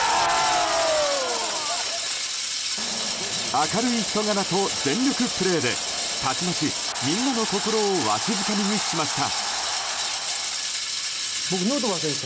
明るい人柄と全力プレーでたちまち、みんなの心をわしづかみにしました。